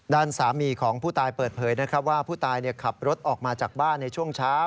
ด้านสามีของผู้ตายเปิดเผยนะครับว่าผู้ตายขับรถออกมาจากบ้านในช่วงเช้า